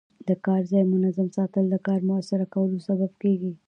د کار ځای منظم ساتل د کار موثره کولو سبب کېږي.